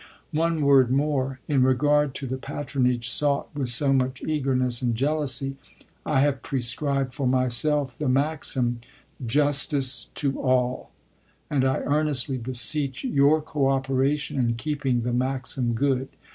One word more. In regard to the patronage sought with so much eagerness and jealousy, I have prescribed for myself the maxim, "Justice to all"; and I earnestly beseech your cooperation in keeping the maxim good.